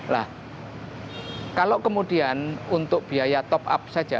nah kalau kemudian untuk biaya top up saja